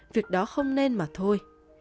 việc đó không nên mà thôi